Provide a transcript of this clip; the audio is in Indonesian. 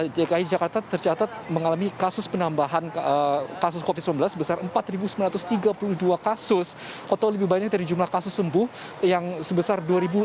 dki jakarta tercatat mengalami kasus penambahan kasus covid sembilan belas besar empat sembilan ratus tiga puluh dua kasus atau lebih banyak dari jumlah kasus sembuh yang sebesar dua lima ratus